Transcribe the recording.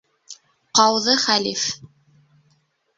Ҡауҙы хәлиф